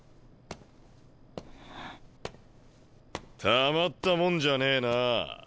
たまったもんじゃねえなあ。